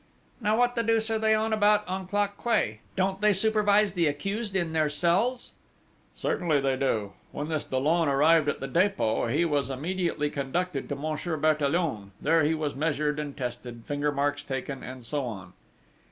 "Now, what the deuce are they about on Clock Quay? Don't they supervise the accused in their cells?" "Certainly they do! When this Dollon arrived at the Dépôt he was immediately conducted to Monsieur Bertillon: there he was measured and tested, finger marks taken, and so on."